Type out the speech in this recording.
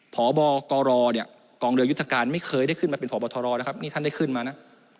พบกรเนี่ยกองเรือยุทธการไม่เคยได้ขึ้นมาเป็นพบทรนะครับนี่ท่านได้ขึ้นมานะ